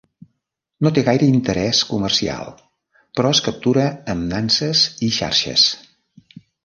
No té gaire interès comercial, però es captura amb nanses i xarxes.